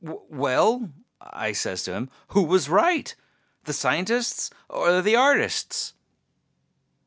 "Well," I says to him, "who was right, the scientists or the artists?"